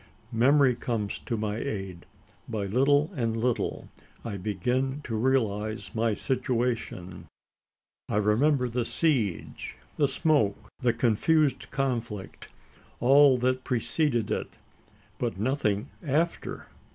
Memory comes to my aid. By little and little, I begin to realise my situation. I remember the siege the smoke the confused conflict all that preceded it, but nothing after.